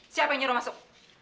siapa yang nyuruh masuk